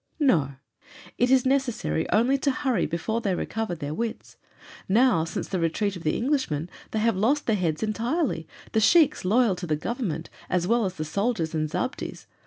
"No. It is necessary only to hurry before they recover their wits. Now since the retreat of the Englishmen they have lost their heads entirely the sheiks, the loyal to the Government, as well as the soldiers and 'zabdis.'